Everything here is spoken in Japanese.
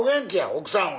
奥さんは。